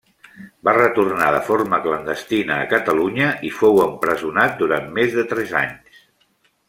Va retornar, de forma clandestina, a Catalunya i fou empresonat durant més de tres anys.